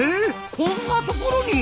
こんなところに！